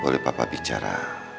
boleh papa bicara